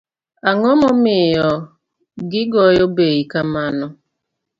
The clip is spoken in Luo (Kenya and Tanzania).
Ang'omomiyo gigoyo bey kamano.